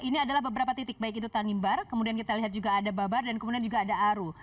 ini adalah beberapa titik baik itu tanimbar kemudian kita lihat juga ada babar dan kemudian juga ada aru